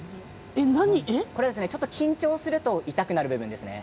緊張すると痛くなる部分ですね。